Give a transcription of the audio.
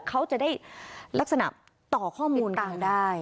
เขาจะได้ลักษณะต่อข้อมูลต่างได้